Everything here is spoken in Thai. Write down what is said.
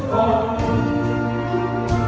แฟนมาเข้าหัวมือ